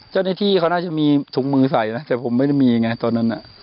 เจ้าในที่เค้าน่าจะมีถุงมือใส่นะแต่ผมไม่ได้มีเองเนี่ยต้านนั้นอะ